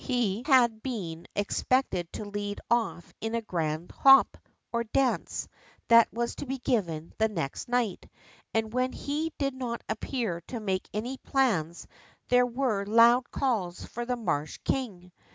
He had been expected to lead off in a grand hop, or dance, that was to be given the next night, and when he did not appear to make any plans there were loud calls for the marsh king.